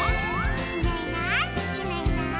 「いないいないいないいない」